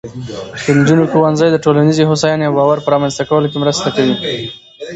د نجونو ښوونځی د ټولنیزې هوساینې او باور په رامینځته کولو کې مرسته کوي.